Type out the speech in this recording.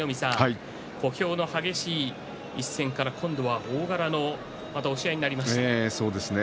小兵の激しい一戦から今度は大柄の押し合いになりました。